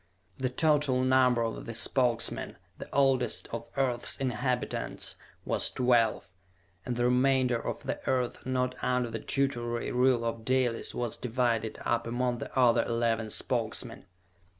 The total number of the Spokesmen, the oldest of earth's inhabitants, was twelve, and the remainder of the Earth not under the tutelary rule of Dalis was divided up among the other eleven Spokesmen.